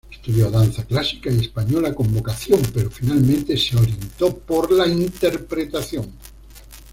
Estudió danza clásica y española con vocación pero finalmente se orientó por la interpretación.